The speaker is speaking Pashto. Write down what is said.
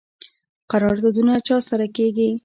قراردادونه چا سره کیږي؟